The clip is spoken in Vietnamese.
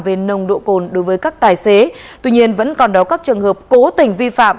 về nồng độ cồn đối với các tài xế tuy nhiên vẫn còn đó các trường hợp cố tình vi phạm